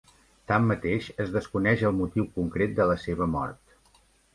Tanmateix, es desconeix el motiu concret de la seva mort.